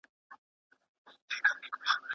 سوالونه چـــــــــــرته ورک دي ځوابونه نامعلوم دي